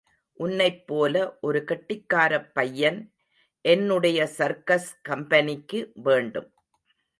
உன்னைப் போல ஒரு கெட்டிக்காரப் பையன் என்னுடைய சர்க்கஸ் கம்பெனிக்கு வேண்டும்.